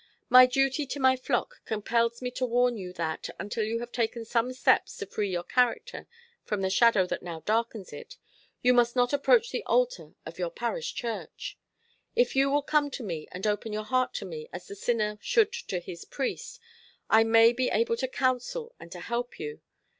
My duty to my flock compels me to warn you that, until you have taken some steps to free your character from the shadow that now darkens it, you must not approach the altar of your parish church. "If you will come to me, and open your heart to me, as the sinner should to his priest, I may be able to counsel and to help you.